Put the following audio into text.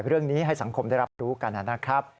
เรื่องนี้ให้สังคมได้รับรู้กันนะครับ